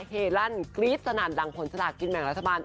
เฮลั่นกรี๊ดสนั่นหลังผลสลากกินแบ่งรัฐบาล